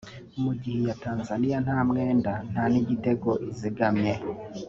mu gihe iya Tanzania nta mwenda nta n’igitego izigamye